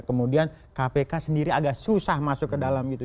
kemudian kpk sendiri agak susah masuk ke dalam gitu